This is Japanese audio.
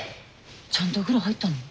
ちゃんとお風呂入ったの？